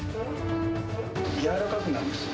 やわらかくなるんですよ。